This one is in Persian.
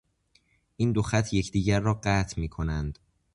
این دو خط یکدیگر را قطع میکنند.